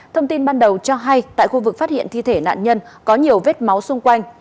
thông tin ban đầu cho hay tại khu vực phát hiện thi thể nạn nhân có nhiều vết máu xung quanh